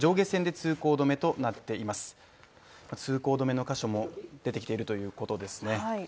通行止めの箇所も出てきているということですね。